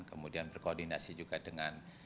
kemudian berkoordinasi juga dengan